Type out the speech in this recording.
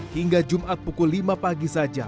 hingga jumat pukul lima pagi saja